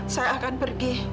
saya akan pergi